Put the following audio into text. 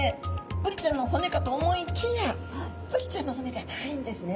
ブリちゃんの骨かと思いきやブリちゃんの骨ではないんですね。